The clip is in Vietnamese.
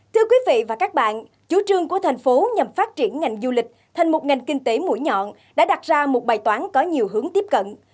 thưa quý vị và các bạn chủ trương của thành phố nhằm phát triển ngành du lịch thành một ngành kinh tế mũi nhọn đã đặt ra một bài toán có nhiều hướng tiếp cận